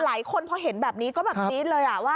หลายคนพอเห็นแบบนี้ก็แบบจี๊ดเลยว่า